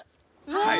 はい。